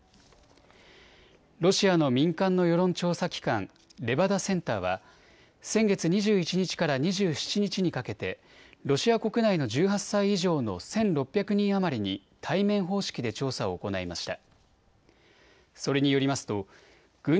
ロシアの民間の世論調査機関レバダセンターは先月２１日から２７日にかけてロシア国内の１８歳以上の１６００人余りに対面方式で調査を行いました。